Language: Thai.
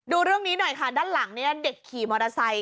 ดูเรื่องนี้หน่อยค่ะด้านหลังเนี่ยเด็กขี่มอเตอร์ไซค